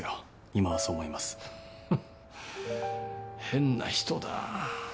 変な人だ。